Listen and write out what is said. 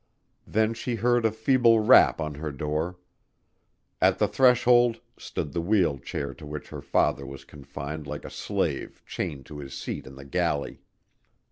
Then she heard a feeble rap on her door. At the threshold stood the wheelchair to which her father was confined like a slave chained to his seat in the galley.